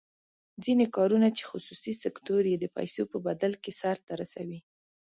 ځینې کارونه چې خصوصي سکتور یې د پیسو په بدل کې سر ته رسوي.